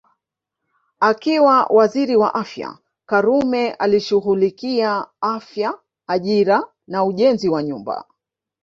Akiwa Waziri wa Afya Karume alishughulikia Afya Ajira na Ujenzi wa Nyumba